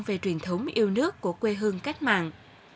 về truyền thống yêu nước của quê hương cách mạng